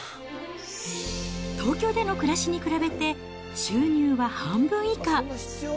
東京での暮らしに比べて、収入は半分以下。